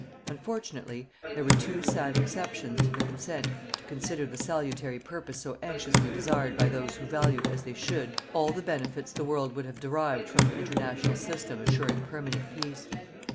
Unfortunately, there were two sad exceptions to the consent to consider the salutary purpose so anxiously desired by those who valued as they should all the benefits the world would have derived from an international system assuring permanent peace.